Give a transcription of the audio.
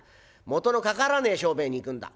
元のかからねえ商売に行くんだ」。